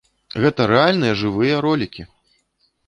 Гэта рэальныя жывыя ролікі!